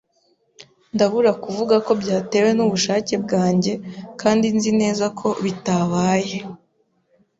Ndabura kuvuga ko byatewe nubushake bwanjye, kandi nzi neza ko bitabaye a